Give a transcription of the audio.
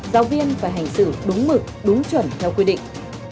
giáo viên phải hành xử đúng mực đúng chuẩn theo quy định